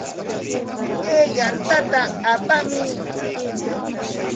Chay yantata apakuy.